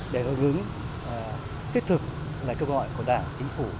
để hướng hướng thiết thực các cơ gọi của đảng chính phủ